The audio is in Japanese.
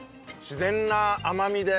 自然な甘みで。